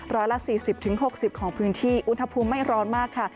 ร้อยละ๔๐๖๐ของพื้นที่อุณหภูมิไม่ร้อนมากค่ะ